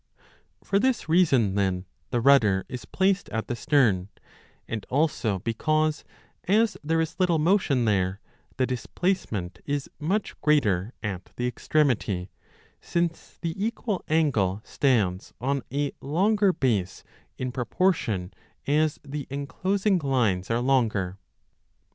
For this reason, then, the rudder is placed at the stern, and also because, as there is little motion there, the displacement is much greater at the extremity, since the equal angle stands on a longer base 15 in proportion as the enclosing lines are longer.